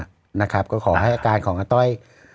สีวิต้ากับคุณกรนิดหนึ่งดีกว่านะครับแฟนแห่เชียร์หลังเห็นภาพ